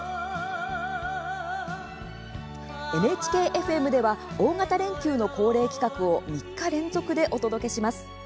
ＮＨＫ−ＦＭでは大型連休の恒例企画を３日連続でお届けします。